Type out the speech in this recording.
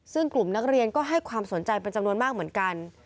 ซึ่งกลุ่มนักเรียนก็ให้ความสนใจเป็นจำนวนมากเหมือนกัน